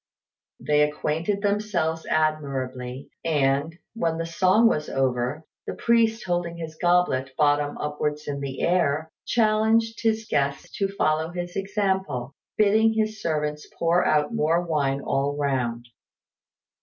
They acquitted themselves admirably; and, when the song was over, the priest holding his goblet bottom upwards in the air, challenged his guests to follow his example, bidding his servants pour out more wine all round.